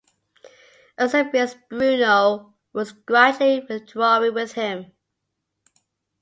Eusebius Bruno was gradually withdrawing from him.